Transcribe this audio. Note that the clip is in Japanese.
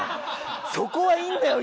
そこはいいんだよ！